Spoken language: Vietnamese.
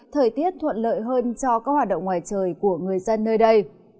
thời tiết thuận lợi hơn cho các hoạt động ngoài trời của người dân nơi đây